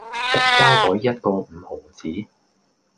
膠袋一個五毫子